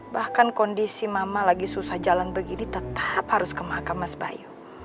bahkan kondisi mama lagi susah jalan begini tetap harus ke makam mas bayu